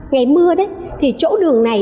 ngày mưa đấy thì chỗ đường này